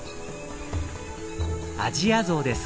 アジアゾウです。